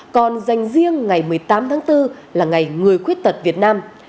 còn dành riêng ngày một mươi tám tháng bốn là ngày người khuyết tật việt nam